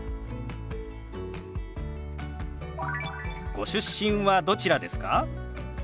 ご出身はどちらですか？